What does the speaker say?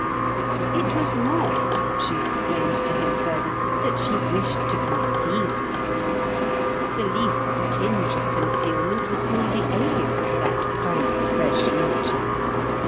It was not, she explained to him further, that she wished to conceal anything. The least tinge of concealment was wholly alien to that frank fresh nature.